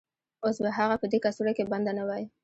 اوس به هغه په دې کڅوړه کې بنده نه وای